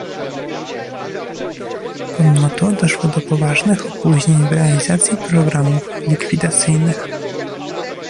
Pomimo to doszło do poważnych opóźnień w realizacji programów likwidacyjnych